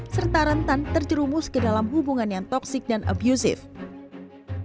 serta rentan terjerumus ke dalam hubungan yang toxic dan abusive